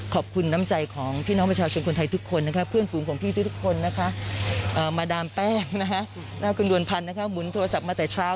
ขอบคุณค่ะเพื่อนทุกคนนะครับที่เรา